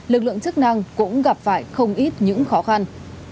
lực lượng chức năng cũng gặp phải không ít những khó khăn